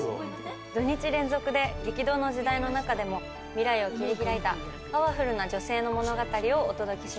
土日連続で激動の時代の中でも未来を切り開いたパワフルな女性の物語をお届けします。